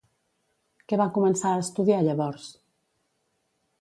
Què va començar a estudiar llavors?